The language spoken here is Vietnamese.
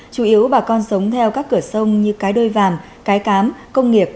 chủ yếu bà con sống theo các cửa sông như cái đôi vàm cái cám công nghiệp